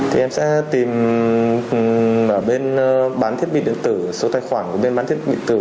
thì em sẽ tìm ở bên bán thiết bị điện tử số tài khoản của bên bán thiết bị tử